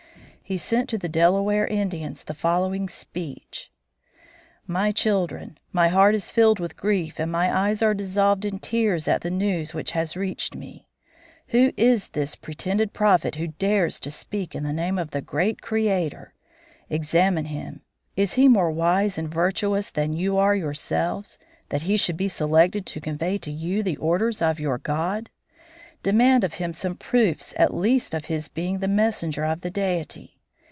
He sent to the Delaware Indians the following "speech": "My Children: My heart is filled with grief, and my eyes are dissolved in tears at the news which has reached me. Who is this pretended prophet who dares to speak in the name of the Great Creator? Examine him. Is he more wise and virtuous than you are yourselves, that he should be selected to convey to you the orders of your God? Demand of him some proofs at least of his being the messenger of the Deity.